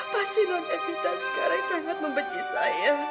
pasti non epita sekarang sangat membenci saya